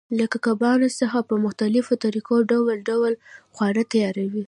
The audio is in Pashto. له کبانو څخه په مختلفو طریقو ډول ډول خواړه تیاروي.